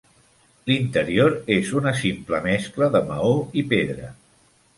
L'interior és una simple mescla de maó i pedra.